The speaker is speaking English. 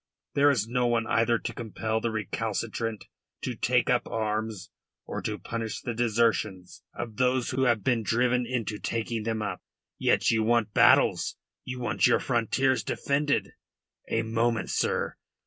There is no one either to compel the recalcitrant to take up arms, or to punish the desertions of those who have been driven into taking them up. Yet you want battles, you want your frontiers defended. A moment, sir!